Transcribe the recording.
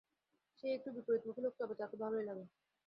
সে একটু বিপরীতমুখী লোক, তবে তাকে ভালোই লাগে।